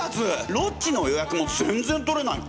ロッジの予約も全然取れないの！